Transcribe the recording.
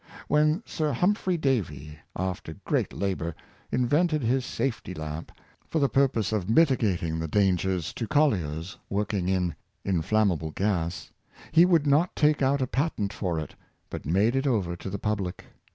When Sir Hum phry Davy, after great labor, invented his safety lamp, for the purpose of mitigating the dangers to colliers working in inflammable gas, he would not take out a patent for it, but made it over to the public.